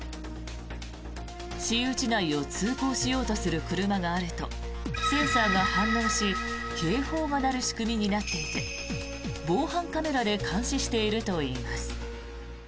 私有地内を通行しようとする車があるとセンサーが反応し警報が鳴る仕組みになっていて防犯カメラで監視しているといいます。